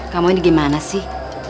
kamu ini gimana sih